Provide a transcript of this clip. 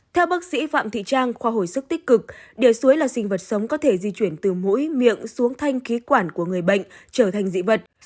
theo bác sĩ phạm thị trang khoa hồi sức tích cực điều suối là sinh vật sống có thể di chuyển từ mũi miệng xuống thanh khí quản của người bệnh trở thành dị vật